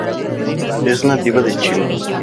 Es nativa de Chile.